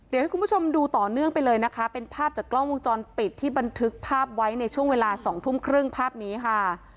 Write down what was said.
เดี๋ยวให้คุณผู้ชมดูต่อเนื่องไปเลยนะคะเป็นภาพจากกล้องวงจรปิดที่บันทึกภาพไว้ในช่วงเวลา๒ทุ่มครึ่งภาพนี้ค่ะ